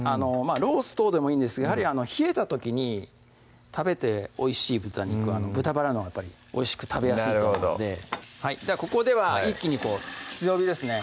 ロース等でもいいんですがやはり冷えた時に食べておいしい豚肉は豚バラのほうがやっぱりおいしく食べやすいと思うのでなるほどではここでは一気に強火ですね